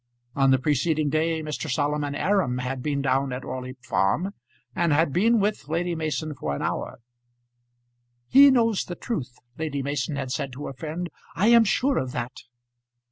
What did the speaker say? On the preceding day Mr. Solomon Aram had been down at Orley Farm, and had been with Lady Mason for an hour. "He knows the truth!" Lady Mason had said to her friend. "I am sure of that."